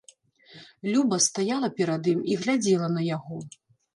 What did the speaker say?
Люба стаяла перад ім і глядзела на яго.